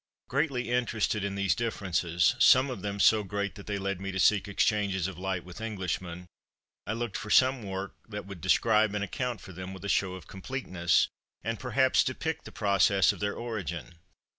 Greatly interested in these differences some of them so great that they led me to seek exchanges of light with Englishmen I looked for some work that would describe and account for them with a show of completeness, and perhaps depict the process of their origin.